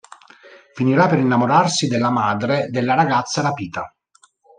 Finirà per innamorarsi della madre della ragazza rapita.